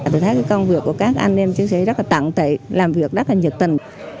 từ tháng công việc của các anh em chứ sẽ rất là tặng tệ làm việc rất là nhật tần